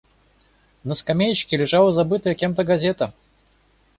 На скамеечке лежала забытая кем-то газета.